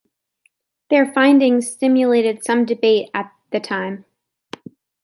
Their finding stimulated some debate at the time.